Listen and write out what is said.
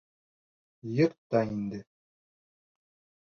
Йырта инде!